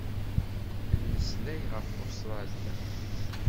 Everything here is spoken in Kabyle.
Nmeslay ɣef Ustṛalya.